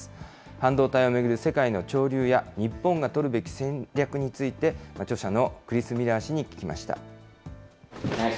半導体を巡る世界の潮流や日本が取るべき戦略について著者のクリス・ミラー氏に聞きました。